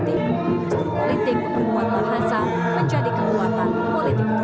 gestur politik membuat bahasa menjadi kekuatan politik